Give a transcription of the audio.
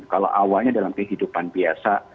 kalau awalnya dalam kehidupan biasa